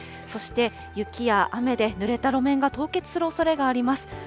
そして、雪や雨でぬれた路面が凍結するおそれがあります。